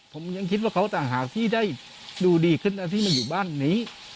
ผมยังคิดว่าเขาต่างหากที่ได้ดูดีขึ้นนะที่มันอยู่บ้านนี้